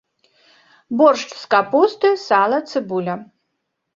Боршч з капусты, сала, цыбуля.